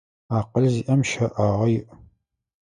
Акъыл зиIэм щэIагъэ иI.